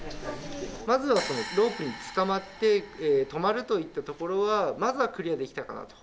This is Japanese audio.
まずはロープにつかまって止まるといったところはまずはクリアできたかなと。